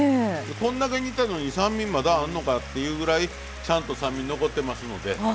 こんだけ煮たのに酸味まだあるのかっていうぐらいちゃんと酸味残ってますので大丈夫ですよ。